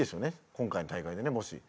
今回の大会でねもし。